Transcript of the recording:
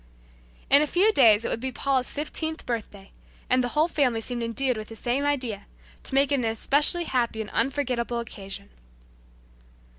In a few days it would be Paula's fifteenth birthday, and the whole family seemed endued with the same idea, to make it an especially happy and unforgettable occasion.